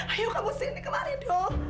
ayo kamu sini kemari dulu